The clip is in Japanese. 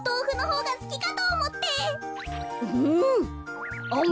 うん！